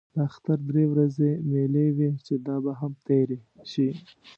د اختر درې ورځې مېلې وې چې دا به هم تېرې شي.